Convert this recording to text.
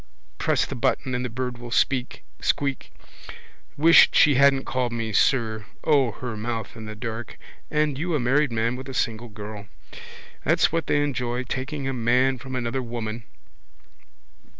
Press the button and the bird will squeak. Wish she hadn't called me sir. O, her mouth in the dark! And you a married man with a single girl! That's what they enjoy. Taking a man from another woman.